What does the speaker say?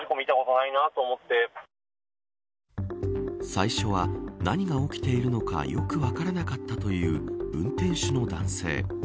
最初は何が起きているのかよく分からなかったという運転手の男性。